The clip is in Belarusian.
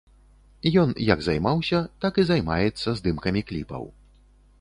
Ён як займаўся, так і займаецца здымкамі кліпаў.